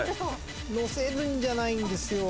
ノせるんじゃないんですよ。